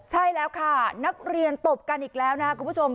ใช่แล้วค่ะนักเรียนตบกันอีกแล้วนะครับคุณผู้ชม